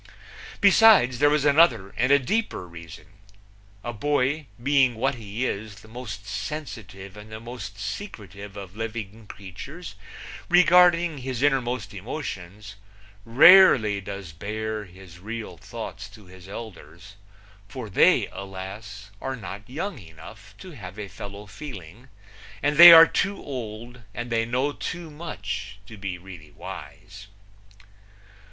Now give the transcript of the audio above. Besides there was another and a deeper reason. A boy, being what he is, the most sensitive and the most secretive of living creatures regarding his innermost emotions, rarely does bare his real thoughts to his elders, for they, alas, are not young enough to have a fellow feeling, and they are too old and they know too much to be really wise.